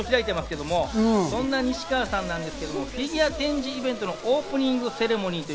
昨日、そんな西川貴教さんが登場したのは、フィギュア展示イベントのオープニングセレモニー。